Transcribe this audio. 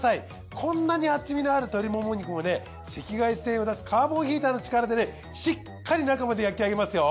こんなに厚みのある鶏もも肉も赤外線を出すカーボンヒーターの力でしっかり中まで焼き上げますよ。